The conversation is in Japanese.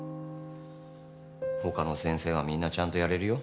他の先生はみんなちゃんとやれるよ